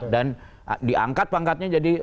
dan diangkat pangkatnya jadi